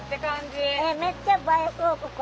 めっちゃ映えそうここ。